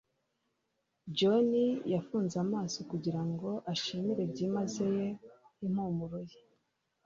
John yafunze amaso kugirango ashimire byimazeyo impumuro ye.